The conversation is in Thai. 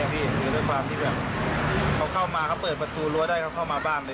หรือโดยความที่แบบเขาเข้ามาเขาเปิดประตูลัวได้เข้ามาบ้านเลย